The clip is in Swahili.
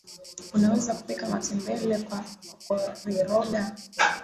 unaweza kupika matembele kwa kukoriroga